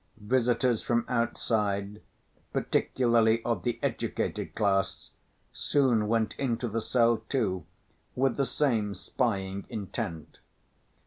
Visitors from outside, particularly of the educated class, soon went into the cell, too, with the same spying intent.